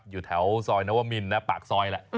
อยู่แถวซอยนวมินนะปากซอยแหละ